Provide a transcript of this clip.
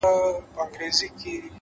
خاموش کار لوی بدلون راولي؛